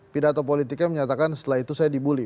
pidato politiknya menyatakan setelah itu saya dibully